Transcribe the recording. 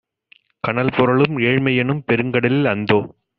"கனல்புரளும் ஏழ்மையெனும் பெருங்கடலில், அந்தோ!